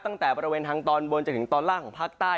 ตั้งแต่บริเวณทางตอนบนจนถึงตอนล่างของภาคใต้